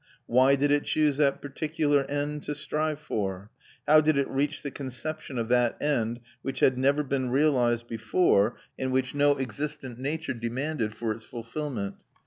Why did it choose that particular end to strive for? How did it reach the conception of that end, which had never been realised before, and which no existent nature demanded for its fulfilment?